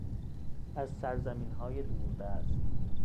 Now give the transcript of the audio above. از سرزمینهای دوردست